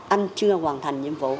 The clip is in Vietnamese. anh chưa hoàn thành nhiệm vụ